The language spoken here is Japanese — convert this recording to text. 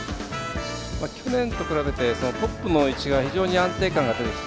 去年と比べてトップの位置が非常に安定感が出てきた。